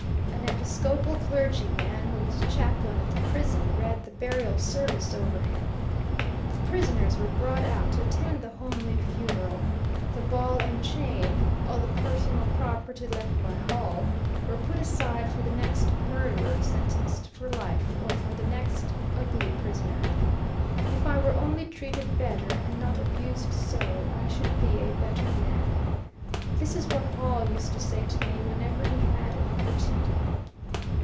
An Episcopal clergyman, who was chaplain of the prison, read the burial service over him. The prisoners were brought out to attend the homely funeral. The ball and chain, all the personal property left by Hall, were put aside for the next murderer sentenced for life, or for the next "ugly" prisoner. "If I were only treated better, and not abused so, I should be a better man." This is what Hall used to say to me whenever he had an opportunity.